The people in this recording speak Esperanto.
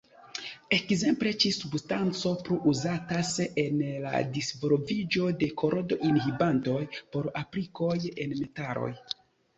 Ekzemple, ĉi-substanco plu uzatas en la disvolviĝo de korodo-inhibantoj por aplikoj en metaloj.